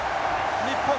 日本